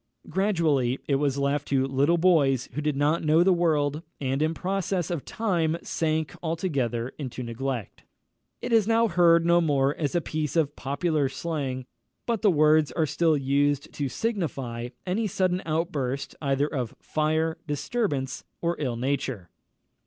Gradually it was left to little boys who did not know the world, and in process of time sank altogether into neglect. It is now heard no more as a piece of popular slang; but the words are still used to signify any sudden outburst either of fire, disturbance, or ill nature.